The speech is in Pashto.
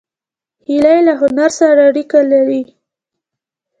هیلۍ له هنر سره اړیکه لري